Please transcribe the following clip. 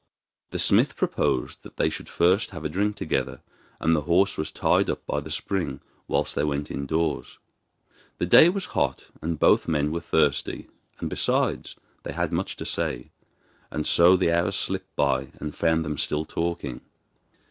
The smith proposed that they should first have a drink together, and the horse was tied up by the spring whilst they went indoors. The day was hot, and both men were thirsty, and, besides, they had much to say; and so the hours slipped by and found them still talking.